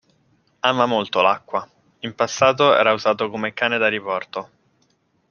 Ama molto l'acqua; in passato era usato come cane da riporto.